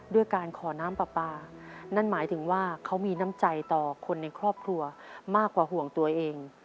ด้วยการขอน้ำปลาปลานั่นหมายถึงว่าเขามีน้ำใจต่อคนในครอบครัวมากกว่าห่วงตัวเอง